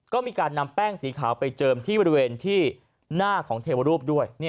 ก็มีการนำแป้งสีขาวไปเจิมที่บริเวณที่หน้าของเทวรูปด้วย